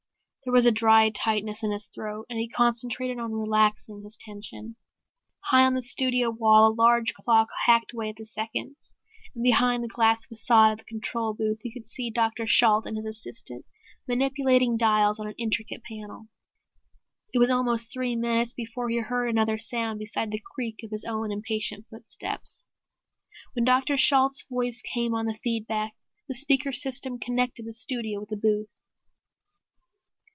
There was a dry tightness in his throat and he concentrated on relaxing his tension. High on the studio wall a large clock hacked away at the seconds, and behind the glass façade of the control booth he could see Dr. Shalt and his assistant manipulating dials on an intricate panel. It was almost three minutes before he heard another sound beside the creak of his own impatient footsteps. Then Dr. Shalt's voice came on the feed back, the speaker system connecting the studio with the booth.